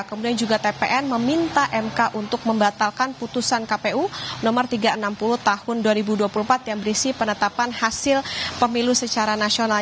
kemudian juga tpn meminta mk untuk membatalkan putusan kpu nomor tiga ratus enam puluh tahun dua ribu dua puluh empat yang berisi penetapan hasil pemilu secara nasional